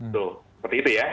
tuh seperti itu ya